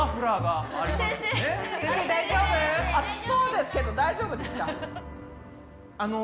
暑そうですけど大丈夫ですか？